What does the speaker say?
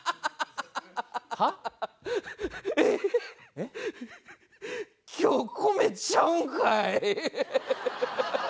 えっ今日米ちゃうんかい。